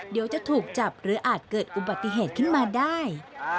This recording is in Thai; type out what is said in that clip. เดี๋ยวจะถูกจับหรืออาจเกิดอุบัติเหตุขึ้นมาได้